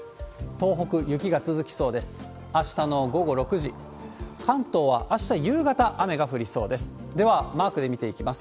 東北、雪が続きそうです。